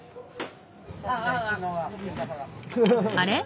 あれ？